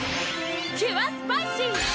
キュアスパイシー！